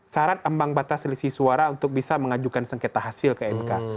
syarat ambang batas selisih suara untuk bisa mengajukan sengketa hasil ke mk